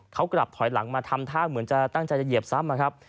เขากลับถอยหลังมาทำท่าเหมือนจะตั้งใจจะเหยียบซ้ำนะครับ